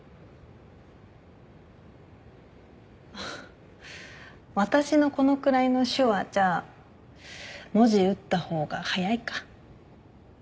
あっ私のこのくらいの手話じゃ文字打った方が早いか。